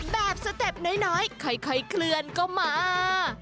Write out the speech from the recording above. สเต็ปน้อยค่อยเคลื่อนก็มา